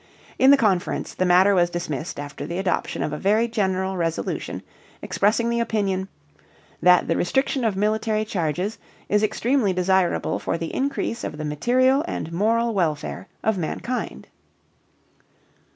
In the conference, the matter was dismissed after the adoption of a very general resolution expressing the opinion "that the restriction of military charges ... is extremely desirable for the increase of the material and moral welfare of mankind."